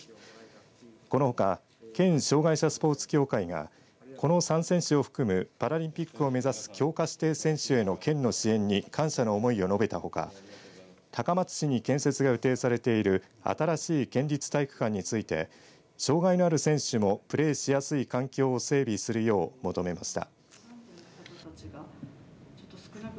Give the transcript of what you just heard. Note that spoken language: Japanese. このほか県障害者スポーツ協会がこの３選手を含むパラリンピックを目指す強化指定選手への県の支援に感謝の思いを述べたほか高松市に建設が予定されている新しい県立体育館について障害のある選手もプレーしやすい環境を整備するよう求めました。